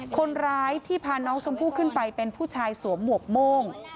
คนร้ายที่พาน้องชมพู่ขึ้นไปเป็นผู้ชายสวมหมวกโม่ง